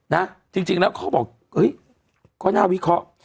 นะจริงแล้วเขาบอกเอ้ยก็น่าวิเคราะห์